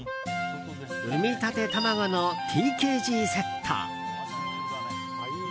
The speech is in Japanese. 産みたて卵のＴＫＧセット。